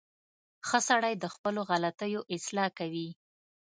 • ښه سړی د خپلو غلطیو اصلاح کوي.